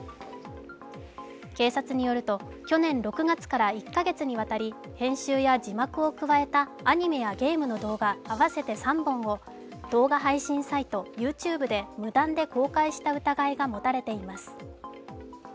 警察によると去年６月から１か月にわたり編集や字幕を加えたアニメやゲームの動画合わせて３本を動画配信サイトＹｏｕＴｕｂｅで無断で公開した疑いが持たれています。